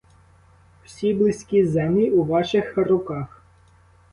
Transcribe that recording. Всі близькі землі у ваших руках.